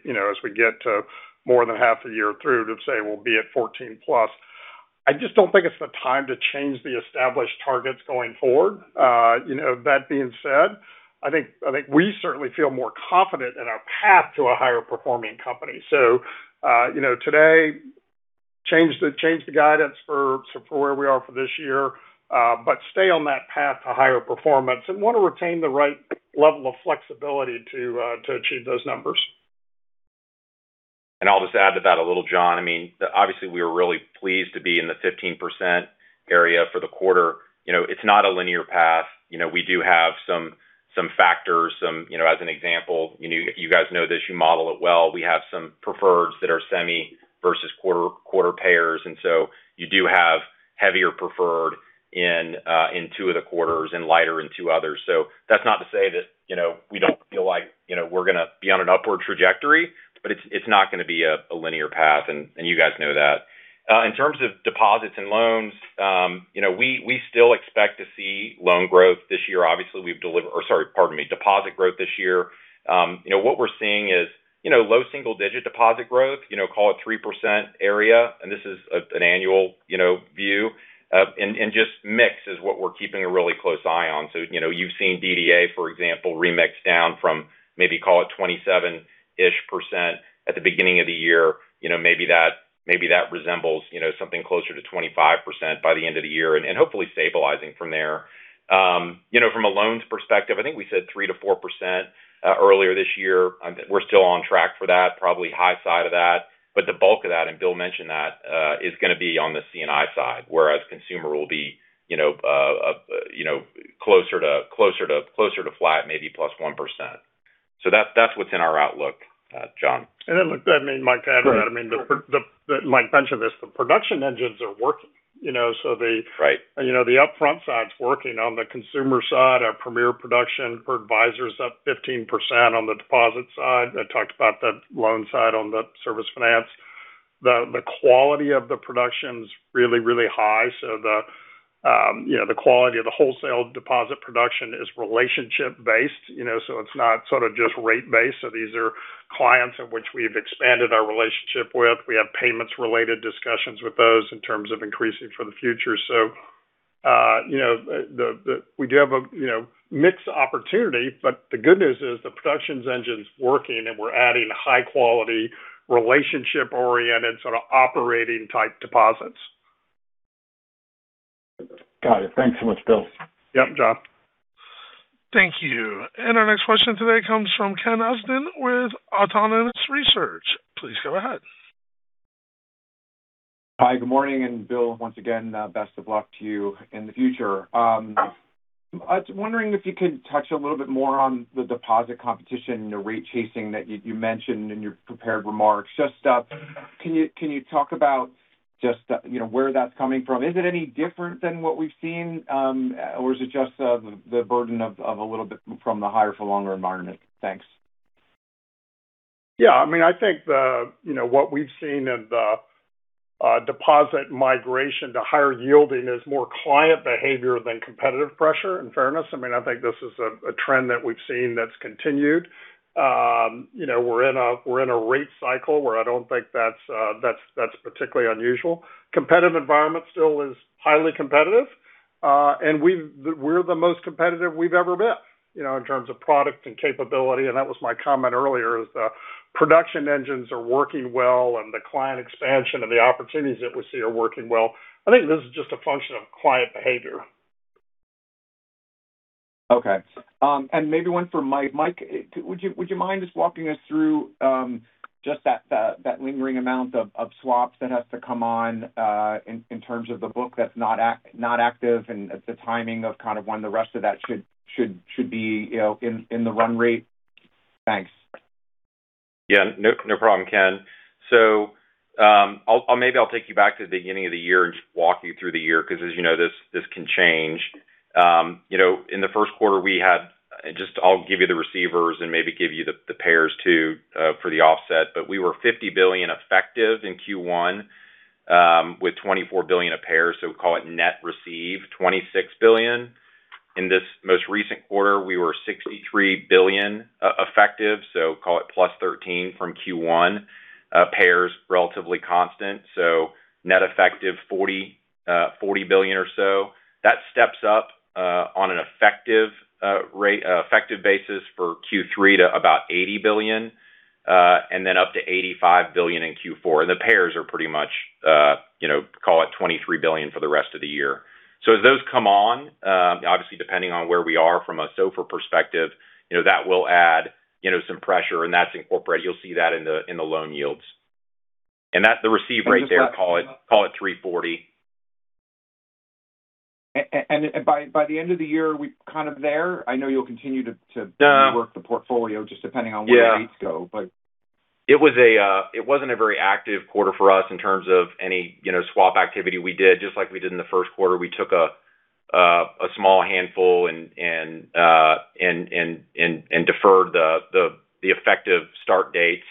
get to more than half the year through to say we'll be at 14+. I just don't think it's the time to change the established targets going forward. That being said, I think we certainly feel more confident in our path to a higher performing company. Today, change the guidance for where we are for this year, but stay on that path to higher performance and want to retain the right level of flexibility to achieve those numbers. I'll just add to that a little, John. Obviously, we are really pleased to be in the 15% area for the quarter. It's not a linear path. We do have some factors. As an example, you guys know this, you model it well. We have some preferreds that are semi- versus quarter payers. You do have heavier preferred in two of the quarters and lighter in two others. That's not to say that we don't feel like we're going to be on an upward trajectory, but it's not going to be a linear path, and you guys know that. In terms of deposits and loans, we still expect to see loan growth this year. Obviously, we've delivered deposit growth this year. What we're seeing is low single digit deposit growth. Call it 3% area. This is an annual view. Just mix is what we're keeping a really close eye on. You've seen DDA, for example, remix down from maybe call it 27-ish% at the beginning of the year. Maybe that resembles something closer to 25% by the end of the year, and hopefully stabilizing from there. From a loans perspective, I think we said 3%-4% earlier this year. We're still on track for that, probably high side of that. The bulk of that, and Bill mentioned that, is going to be on the C&I side, whereas consumer will be closer to flat, maybe +1%. That's what's in our outlook, John. Mike, to add to that. Sure I mean, Mike mentioned this, the production engines are working. Right. The upfront side's working. On the consumer side, our Premier production for advisors up 15% on the deposit side. I talked about the loan side on the Service Finance. The quality of the production's really, really high. The quality of the wholesale deposit production is relationship-based. It's not sort of just rate-based. These are clients in which we've expanded our relationship with. We have payments related discussions with those in terms of increasing for the future. We do have a mixed opportunity, but the good news is the production engine's working, and we're adding high quality, relationship-oriented sort of operating type deposits. Got it. Thanks so much, Bill. Yep, John. Thank you. Our next question today comes from Ken Usdin with Autonomous Research. Please go ahead. Hi, good morning. Bill, once again, best of luck to you in the future. I was wondering if you could touch a little bit more on the deposit competition and the rate chasing that you mentioned in your prepared remarks. Can you talk about where that's coming from? Is it any different than what we've seen? Is it just the burden of a little bit from the higher for longer environment? Thanks. Yeah. I think what we've seen in the deposit migration to higher yielding is more client behavior than competitive pressure, in fairness. I think this is a trend that we've seen that's continued. We're in a rate cycle where I don't think that's particularly unusual. Competitive environment still is highly competitive. We're the most competitive we've ever been in terms of product and capability. That was my comment earlier is the production engines are working well, and the client expansion and the opportunities that we see are working well. I think this is a function of client behavior. Okay. Maybe one for Mike. Mike, would you mind walking us through that lingering amount of swaps that has to come on in terms of the book that's not active and the timing of kind of when the rest of that should be in the run rate? Thanks. Yeah. No problem, Ken. Maybe I'll take you back to the beginning of the year and just walk you through the year, because as you know, this can change. In the Q1, we had. I'll give you the receivers and maybe give you the payers, too, for the offset. We were $50 billion effective in Q1, with $24 billion of payers. Call it net receive, $26 billion. In this most recent quarter, we were $63 billion effective, call it +13 from Q1. Payers, relatively constant. Net effective $40 billion or so. That steps up on an effective basis for Q3 to about $80 billion, up to $85 billion in Q4. The payers are pretty much call it $23 billion for the rest of the year. As those come on, obviously depending on where we are from a SOFR perspective, that will add some pressure, and that's incorporated. You'll see that in the loan yields. The receive rate there. Call it 3.40. By the end of the year, are we kind of there? I know you'll continue to rework the portfolio just depending on where the rates go. It wasn't a very active quarter for us in terms of any swap activity we did. Just like we did in the Q1, we took a small handful and deferred the effective start dates.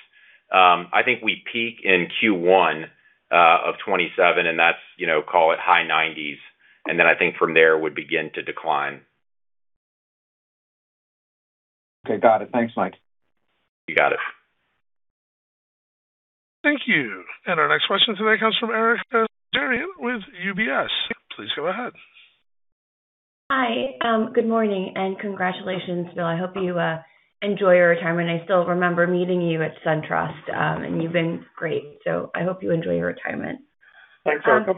I think we peak in Q1 of 2027, and that's call it high nineties. Then I think from there would begin to decline. Okay. Got it. Thanks, Mike. You got it. Thank you. Our next question today comes from Erika Najarian with UBS. Please go ahead. Hi. Good morning. Congratulations, Bill. I hope you enjoy your retirement. I still remember meeting you at SunTrust. You've been great. I hope you enjoy your retirement. Thanks, Erika.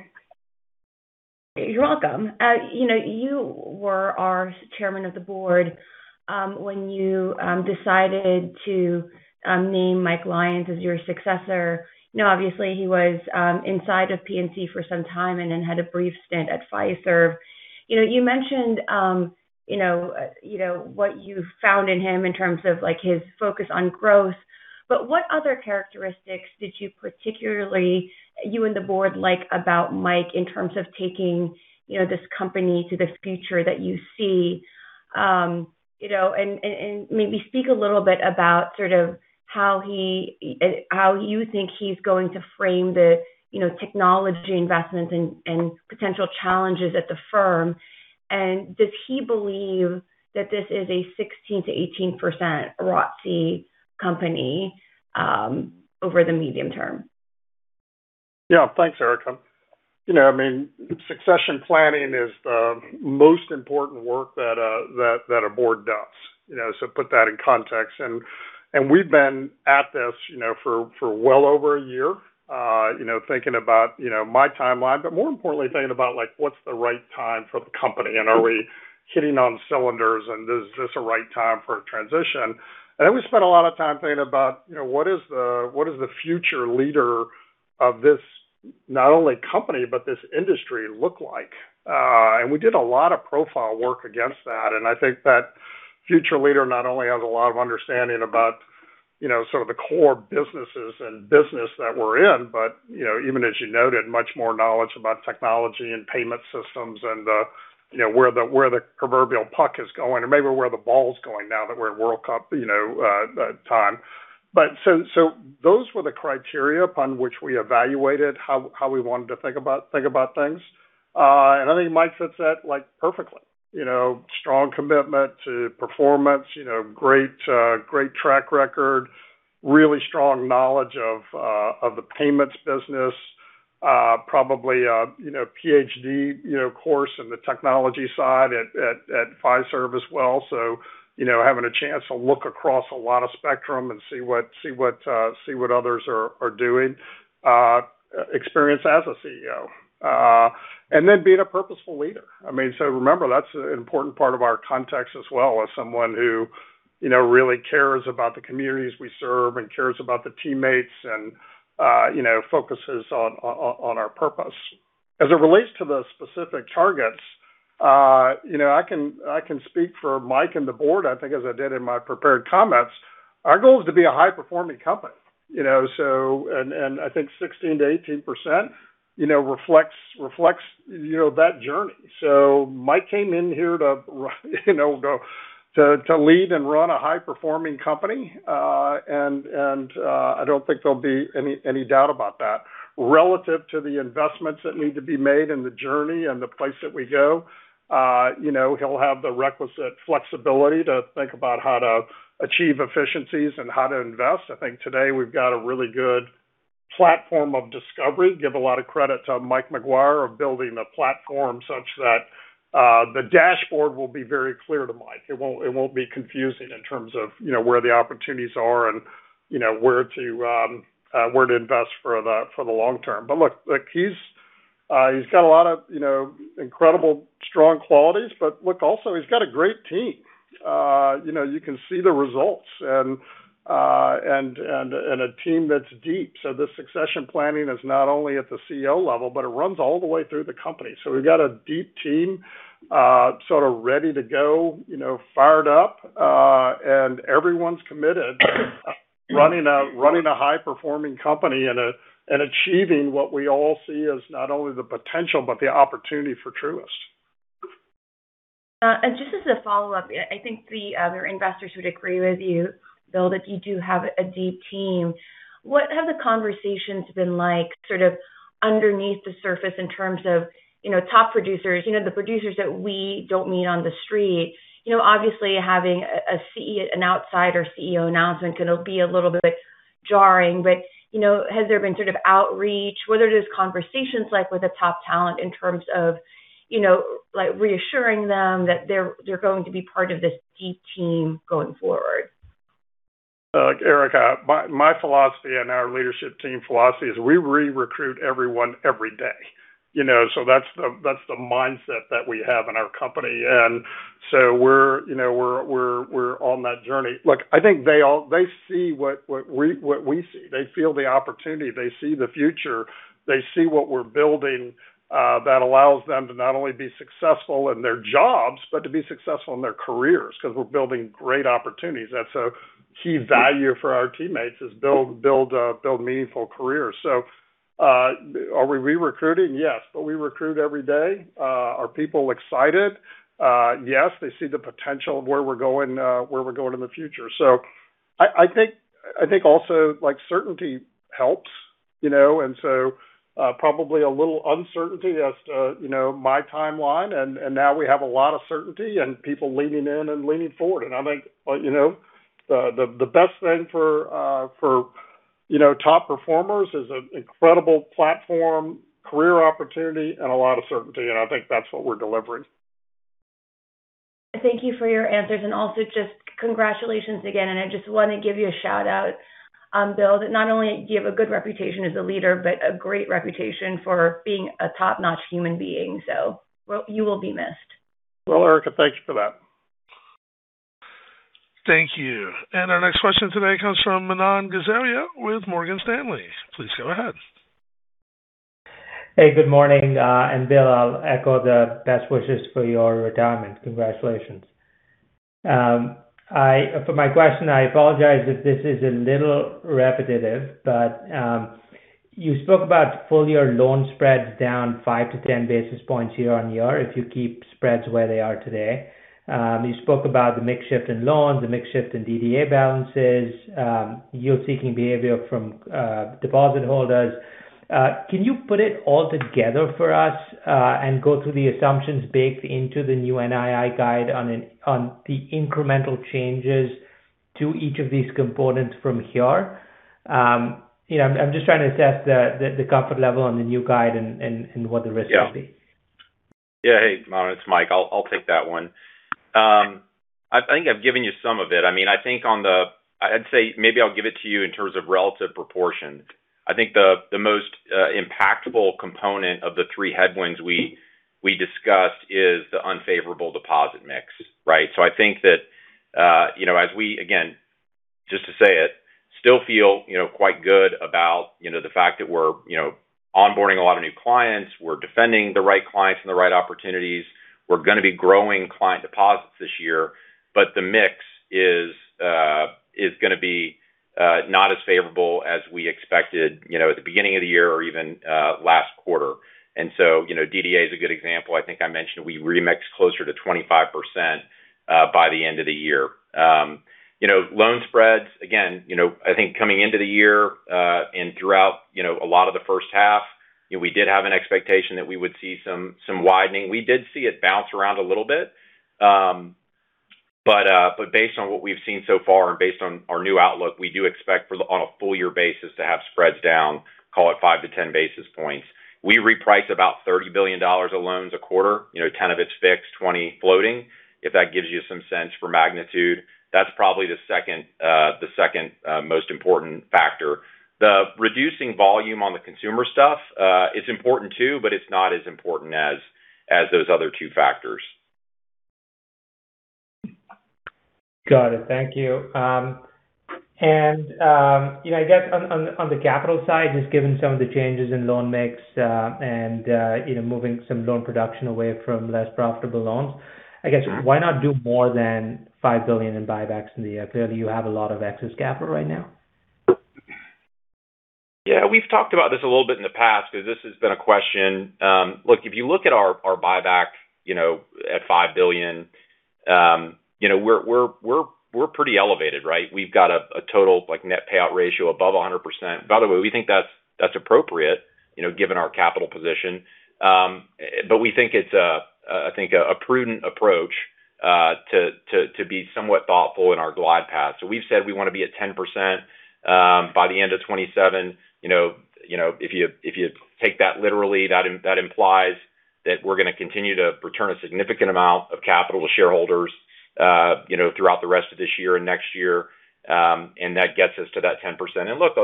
You're welcome. You were our chairman of the board when you decided to name Mike Lyons as your successor. Obviously, he was inside of PNC for some time and then had a brief stint at Fiserv. You mentioned what you found in him in terms of his focus on growth. What other characteristics did you particularly, you and the board, like about Mike in terms of taking this company to this future that you see? Maybe speak a little bit about sort of how you think he's going to frame the technology investments and potential challenges at the firm. Does he believe that this is a 16%-18% ROTCE company over the medium term? Yeah. Thanks, Erika. Succession planning is the most important work that a board does. Put that in context. We've been at this for well over a year, thinking about my timeline, but more importantly, thinking about what's the right time for the company, and are we hitting on cylinders, and is this a right time for a transition? We spent a lot of time thinking about what is the future leader of this Not only company, but this industry look like. We did a lot of profile work against that, and I think that future leader not only has a lot of understanding about sort of the core businesses and business that we're in, but even as you noted, much more knowledge about technology and payment systems and where the proverbial puck is going, or maybe where the ball's going now that we're in World Cup time. Those were the criteria upon which we evaluated how we wanted to think about things. I think Mike fits that perfectly. Strong commitment to performance, great track record, really strong knowledge of the payments business. Probably PhD course in the technology side at Fiserv as well. Having a chance to look across a lot of spectrum and see what others are doing. Experience as a CEO. Being a purposeful leader. Remember, that's an important part of our context as well, as someone who really cares about the communities we serve and cares about the teammates and focuses on our purpose. As it relates to the specific targets, I can speak for Mike and the board, I think as I did in my prepared comments. Our goal is to be a high-performing company. I think 16%-18% reflects that journey. Mike came in here to lead and run a high-performing company. I don't think there'll be any doubt about that. Relative to the investments that need to be made and the journey and the place that we go, he'll have the requisite flexibility to think about how to achieve efficiencies and how to invest. I think today we've got a really good platform of discovery. Give a lot of credit to Mike Maguire of building a platform such that the dashboard will be very clear to Mike. It won't be confusing in terms of where the opportunities are and where to invest for the long term. Look, he's got a lot of incredible, strong qualities. Look, also, he's got a great team. You can see the results and a team that's deep. The succession planning is not only at the CEO level, but it runs all the way through the company. We've got a deep team sort of ready to go, fired up. Everyone's committed running a high-performing company and achieving what we all see as not only the potential, but the opportunity for Truist. Just as a follow-up, I think the other investors would agree with you, Bill, that you do have a deep team. What have the conversations been like sort of underneath the surface in terms of top producers, the producers that we don't meet on the street? Obviously having an outsider CEO announcement can be a little bit jarring, but has there been sort of outreach? What are those conversations like with the top talent in terms of reassuring them that they're going to be part of this deep team going forward? Erika, my philosophy and our leadership team philosophy is we re-recruit everyone every day. That's the mindset that we have in our company. We're on that journey. Look, I think they see what we see. They feel the opportunity. They see the future. They see what we're building that allows them to not only be successful in their jobs, but to be successful in their careers because we're building great opportunities. That's a key value for our teammates is build meaningful careers. Are we re-recruiting? Yes. We recruit every day. Are people excited? Yes. They see the potential of where we're going in the future. I think also certainty helps, and so probably a little uncertainty as to my timeline, and now we have a lot of certainty and people leaning in and leaning forward. I think the best thing for top performers is an incredible platform, career opportunity, and a lot of certainty, and I think that's what we're delivering. Thank you for your answers, also just congratulations again. I just want to give you a shout-out, Bill, that not only you have a good reputation as a leader, but a great reputation for being a top-notch human being. You will be missed. Well, Erika, thank you for that. Thank you. Our next question today comes from Manan Gosalia with Morgan Stanley. Please go ahead. Hey, good morning. Bill, I'll echo the best wishes for your retirement. Congratulations. For my question, I apologize if this is a little repetitive, but you spoke about full-year loan spreads down 5-10 basis points year-on-year if you keep spreads where they are today. You spoke about the mix shift in loans, the mix shift in DDA balances, yield-seeking behavior from deposit holders. Can you put it all together for us and go through the assumptions baked into the new NII guide on the incremental changes to each of these components from here? I'm just trying to assess the comfort level on the new guide and what the risk will be. Hey, Manan, it's Mike. I'll take that one. I think I've given you some of it. I'd say maybe I'll give it to you in terms of relative proportions. I think the most impactful component of the three headwinds we discussed is the unfavorable deposit mix, right? I think that as we still feel quite good about the fact that we're onboarding a lot of new clients. We're defending the right clients and the right opportunities. We're going to be growing client deposits this year, but the mix is going to be not as favorable as we expected at the beginning of the year or even last quarter. DDA is a good example. I think I mentioned we remixed closer to 25% by the end of the year. Loan spreads, again, I think coming into the year, and throughout a lot of the first half, we did have an expectation that we would see some widening. We did see it bounce around a little bit. Based on what we've seen so far, and based on our new outlook, we do expect on a full year basis to have spreads down, call it 5-10 basis points. We reprice about $30 billion of loans a quarter, 10 of it's fixed, 20 floating. If that gives you some sense for magnitude. That's probably the second most important factor. The reducing volume on the consumer stuff is important too, but it's not as important as those other two factors. Got it. Thank you. I guess on the capital side, just given some of the changes in loan mix, and moving some loan production away from less profitable loans, I guess why not do more than $5 billion in buybacks in the year? Clearly, you have a lot of excess capital right now. Yeah. We've talked about this a little bit in the past because this has been a question. Look, if you look at our buyback at $5 billion, we're pretty elevated, right? We've got a total net payout ratio above 100%. By the way, we think that's appropriate given our capital position. We think it's a prudent approach to be somewhat thoughtful in our glide path. We've said we want to be at 10% by the end of 2027. If you take that literally that implies that we're going to continue to return a significant amount of capital to shareholders throughout the rest of this year and next year. That gets us to that 10%. Look,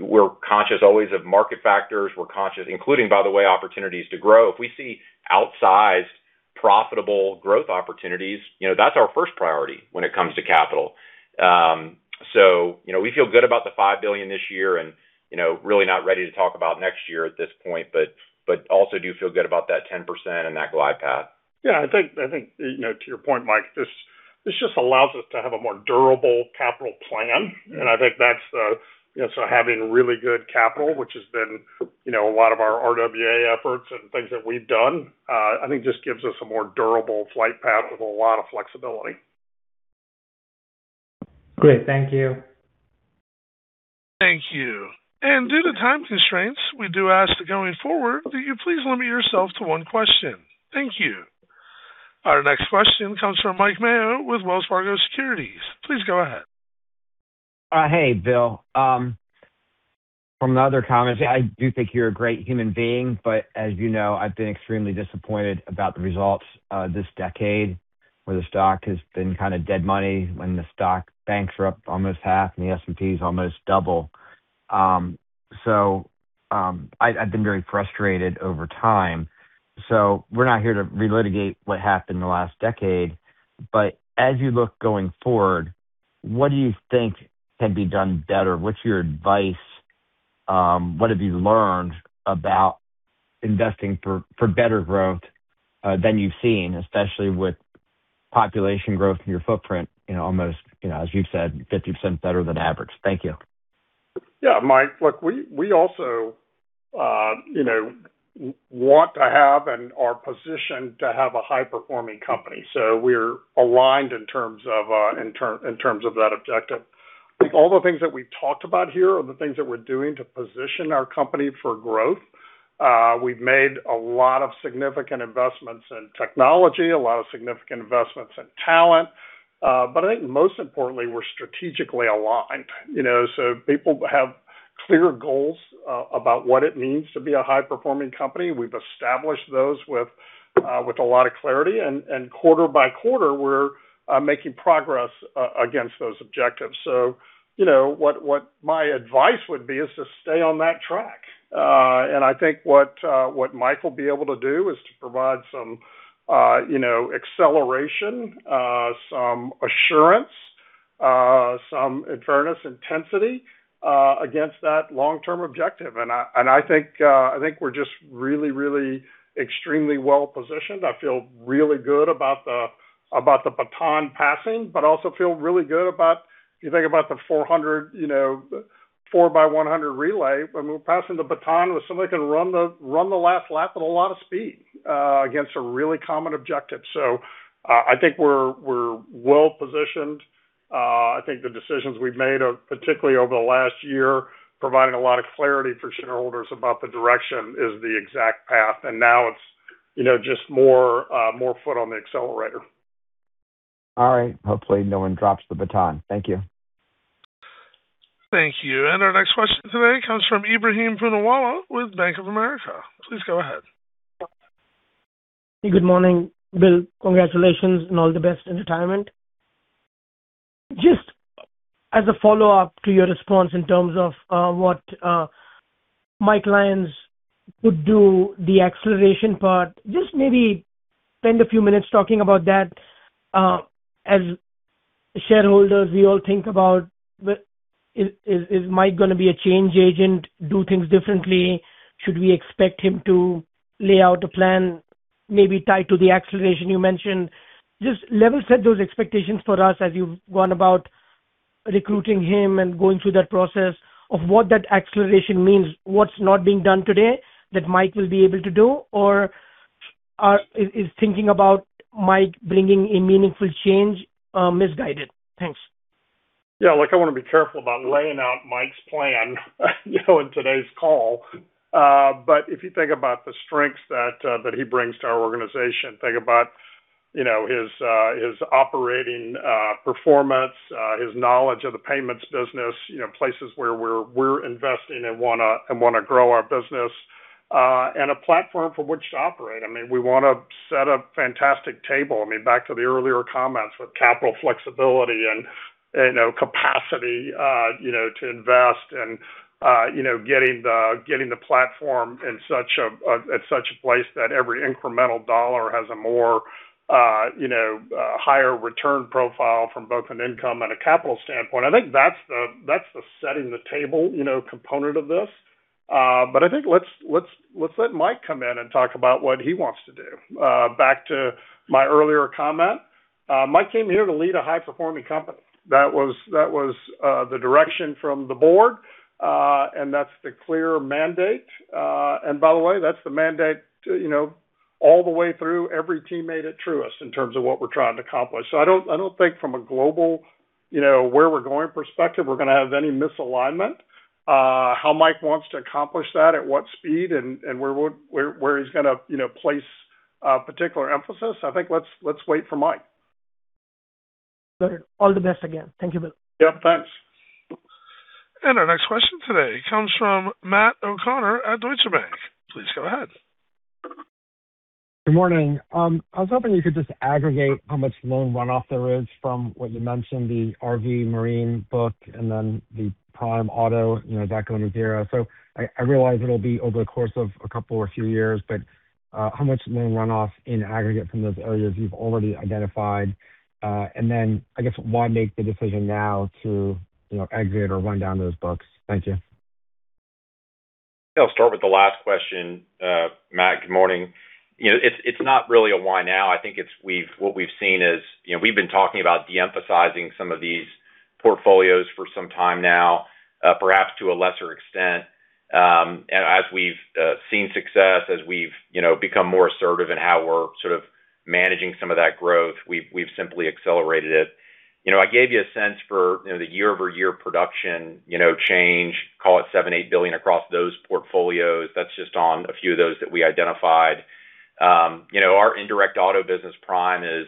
we're conscious always of market factors. We're conscious including, by the way, opportunities to grow. If we see outsized profitable growth opportunities, that's our first priority when it comes to capital. We feel good about the $5 billion this year and really not ready to talk about next year at this point, but also do feel good about that 10% and that glide path. Yeah, I think to your point, Mike, this just allows us to have a more durable capital plan. I think that's so having really good capital, which has been a lot of our RWA efforts and things that we've done, I think just gives us a more durable flight path with a lot of flexibility. Great. Thank you. Thank you. Due to time constraints, we do ask going forward that you please limit yourself to one question. Thank you. Our next question comes from Mike Mayo with Wells Fargo Securities. Please go ahead. Hey, Bill. From other comments, I do think you're a great human being, but as you know, I've been extremely disappointed about the results this decade where the stock has been kind of dead money when the stock banks are up almost half and the S&P is almost double. I've been very frustrated over time. We're not here to relitigate what happened in the last decade, but as you look going forward, what do you think can be done better? What's your advice? What have you learned about investing for better growth than you've seen? Especially with population growth in your footprint, almost as you've said, 50% better than average. Thank you. Yeah, Mike, look, we also want to have and are positioned to have a high-performing company. We're aligned in terms of that objective. I think all the things that we've talked about here are the things that we're doing to position our company for growth. We've made a lot of significant investments in technology, a lot of significant investments in talent. I think most importantly, we're strategically aligned. People have clear goals about what it means to be a high-performing company. We've established those with a lot of clarity, and quarter by quarter, we're making progress against those objectives. What my advice would be is to stay on that track. I think what Mike will be able to do is to provide some acceleration, some assurance, some, in fairness, intensity against that long-term objective. I think we're just really extremely well-positioned. I feel really good about the baton passing, but also feel really good about, you think about the 4x100 relay. When we're passing the baton with somebody can run the last lap at a lot of speed against a really common objective. I think we're well-positioned. I think the decisions we've made, particularly over the last year, providing a lot of clarity for shareholders about the direction is the exact path, now it's just more foot on the accelerator. All right. Hopefully, no one drops the baton. Thank you. Thank you. Our next question today comes from Ebrahim Poonawala with Bank of America. Please go ahead. Good morning, Bill. Congratulations and all the best in retirement. As a follow-up to your response in terms of Mike Lyons would do the acceleration part. Maybe spend a few minutes talking about that. As shareholders, we all think about is Mike going to be a change agent, do things differently? Should we expect him to lay out a plan, maybe tied to the acceleration you mentioned? Level set those expectations for us as you've gone about recruiting him and going through that process of what that acceleration means, what's not being done today that Mike will be able to do? Or is thinking about Mike bringing a meaningful change misguided? Thanks. Yeah, look, I want to be careful about laying out Mike's plan in today's call. If you think about the strengths that he brings to our organization, think about his operating performance, his knowledge of the payments business, places where we're investing and want to grow our business, and a platform from which to operate. We want to set a fantastic table. Back to the earlier comments with capital flexibility and capacity to invest and getting the platform at such a place that every incremental dollar has a higher return profile from both an income and a capital standpoint. I think that's the setting the table component of this. I think let's let Mike come in and talk about what he wants to do. Back to my earlier comment. Mike came here to lead a high-performing company. That was the direction from the board. That's the clear mandate. By the way, that's the mandate all the way through every teammate at Truist in terms of what we're trying to accomplish. I don't think from a global, where we're going perspective, we're going to have any misalignment. How Mike wants to accomplish that, at what speed, and where he's going to place a particular emphasis, I think let's wait for Mike. Got it. All the best again. Thank you, Bill. Yeah, thanks. Our next question today comes from Matt O'Connor at Deutsche Bank. Please go ahead. Good morning. I was hoping you could just aggregate how much loan runoff there is from what you mentioned, the RV marine book, and then the prime auto that going to zero. I realize it'll be over the course of a couple or few years, but how much loan runoff in aggregate from those areas you've already identified? Then I guess why make the decision now to exit or run down those books? Thank you. I'll start with the last question. Matt, good morning. It's not really a why now. I think what we've seen is we've been talking about de-emphasizing some of these portfolios for some time now perhaps to a lesser extent. As we've seen success, as we've become more assertive in how we're sort of managing some of that growth, we've simply accelerated it. I gave you a sense for the year-over-year production change. Call it $7 billion-$8 billion across those portfolios. That's just on a few of those that we identified. Our indirect auto business prime is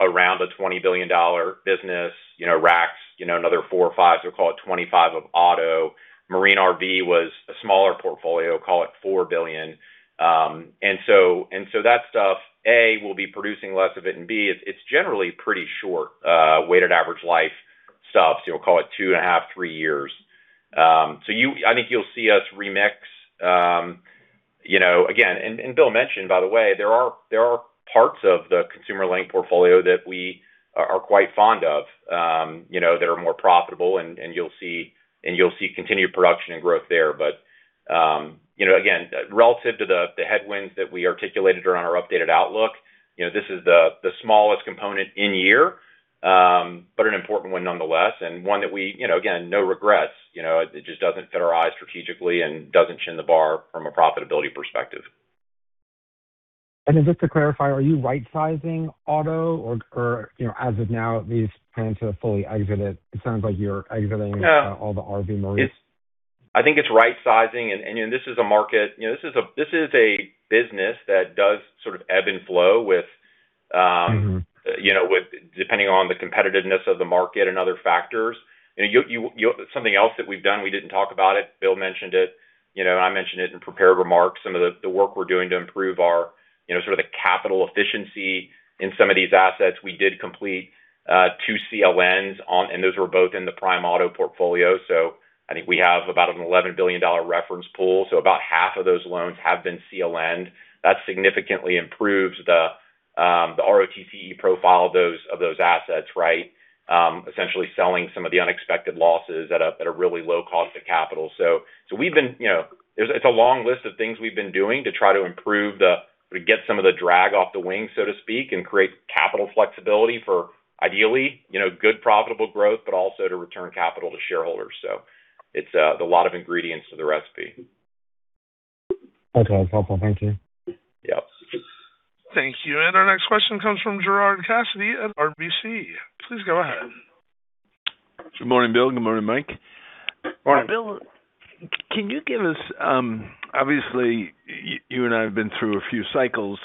around a $20 billion business. RAC's another $4 billion or $5 billion, so call it $25 billion of auto. Marine RV was a smaller portfolio. Call it $4 billion. That stuff, A, we'll be producing less of it, and B, it's generally pretty short weighted average life stuff, so call it two and a half, three years. I think you'll see us remix. Again, Bill mentioned, by the way, there are parts of the consumer loan portfolio that we are quite fond of that are more profitable, and you'll see continued production and growth there. Again, relative to the headwinds that we articulated around our updated outlook, this is the smallest component in-year, but an important one nonetheless, and one that we, again, no regrets. It just doesn't fit our eyes strategically and doesn't chin the bar from a profitability perspective. Just to clarify, are you right-sizing auto? Or as of now, at least planning to fully exit it? It sounds like you're exiting all the RV marines. I think it's right-sizing. This is a business that does sort of ebb and flow depending on the competitiveness of the market and other factors. Something else that we've done, we didn't talk about it. Bill mentioned it, and I mentioned it in prepared remarks. Some of the work we're doing to improve our sort of the capital efficiency in some of these assets. We did complete two CLNs, and those were both in the prime auto portfolio. I think we have about an $11 billion reference pool. About half of those loans have been CLN. That significantly improves the ROTCE profile of those assets. Essentially selling some of the unexpected losses at a really low cost of capital. It's a long list of things we've been doing to try to get some of the drag off the wing, so to speak, and create capital flexibility for ideally good profitable growth, but also to return capital to shareholders. It's a lot of ingredients to the recipe. Okay. That's helpful. Thank you. Yep. Thank you. Our next question comes from Gerard Cassidy at RBC Capital Markets. Please go ahead. Good morning, Bill. Good morning, Mike. Morning. Bill, obviously you and I have been through a few cycles,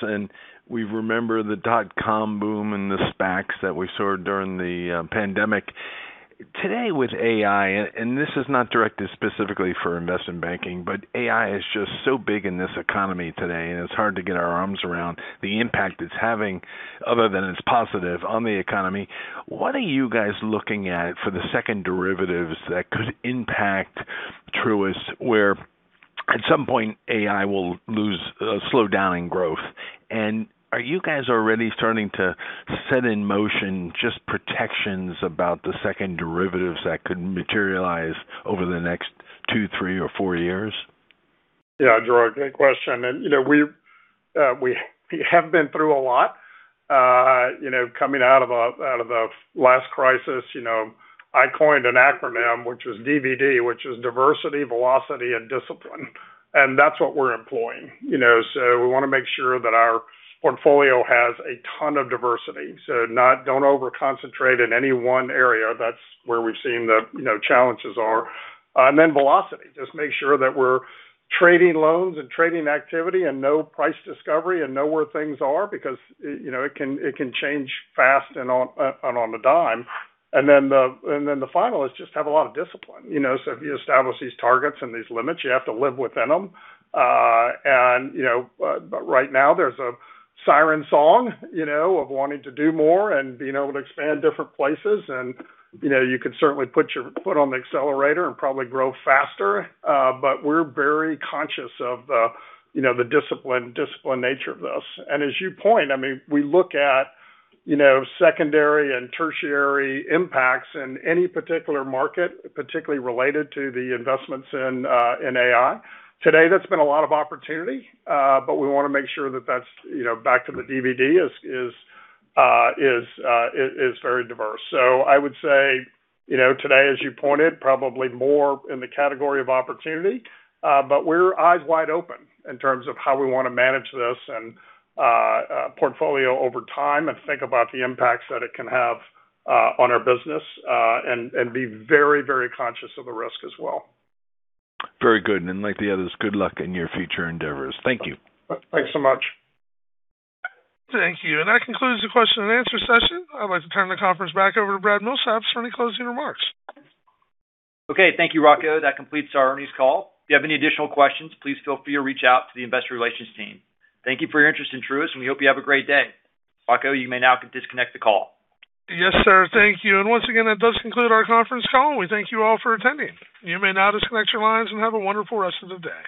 we remember the dot-com boom and the SPACs that we saw during the pandemic. Today with AI, this is not directed specifically for investment banking, but AI is just so big in this economy today, and it's hard to get our arms around the impact it's having other than it's positive on the economy. What are you guys looking at for the second derivatives that could impact Truist where At some point, AI will slow down in growth. Are you guys already starting to set in motion just protections about the second derivatives that could materialize over the next two, three, or four years? Yeah, Gerard, good question. We have been through a lot. Coming out of the last crisis, I coined an acronym, which is DVD, which is diversity, velocity, and discipline, and that's what we're employing. We want to make sure that our portfolio has a ton of diversity, so don't over-concentrate in any one area. That's where we've seen the challenges are. Velocity, just make sure that we're trading loans and trading activity and know price discovery and know where things are because it can change fast and on a dime. The final is just have a lot of discipline. If you establish these targets and these limits, you have to live within them. Right now, there's a siren song of wanting to do more and being able to expand different places. You could certainly put your foot on the accelerator and probably grow faster. We're very conscious of the discipline nature of this. As you point, we look at secondary and tertiary impacts in any particular market, particularly related to the investments in AI. Today, that's been a lot of opportunity. We want to make sure that that's back to the DVD is very diverse. I would say, today, as you pointed, probably more in the category of opportunity. We're eyes wide open in terms of how we want to manage this and portfolio over time and think about the impacts that it can have on our business, and be very conscious of the risk as well. Very good. Like the others, good luck in your future endeavors. Thank you. Thanks so much. Thank you. That concludes the question-and-answer session. I'd like to turn the conference back over to Brad Milsaps for any closing remarks. Okay. Thank you, Rocco. That completes our earnings call. If you have any additional questions, please feel free to reach out to the Investor Relations team. Thank you for your interest in Truist, and we hope you have a great day. Rocco, you may now disconnect the call. Yes, sir. Thank you. Once again, that does conclude our conference call, and we thank you all for attending. You may now disconnect your lines and have a wonderful rest of the day.